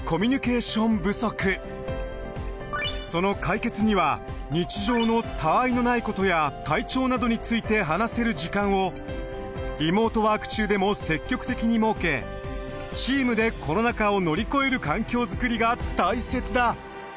その解決には日常のたわいのないことや体調などについて話せる時間をリモートワーク中でも積極的にもうけチームでコロナ禍を乗り越える環境づくりが大切だ。